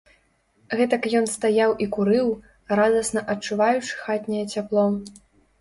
Гэтак ён стаяў і курыў, радасна адчуваючы хатняе цяпло.